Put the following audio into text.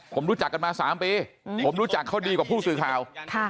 ผมรู้จักกันมา๓ปีผมรู้จักเขาดีกว่าผู้สื่อข่าว